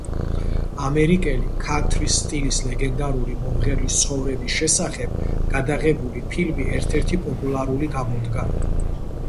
ამერიკელი, ქანთრის სტილის ლეგენდარული მომღერლის ცხოვრების შესახებ გადაღებული ფილმი ერთ-ერთი პოპულარული გამოდგა.